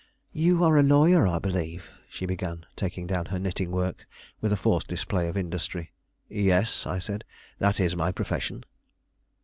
"You are a lawyer, I believe," she began, taking down her knitting work, with a forced display of industry. "Yes," I said; "that is my profession."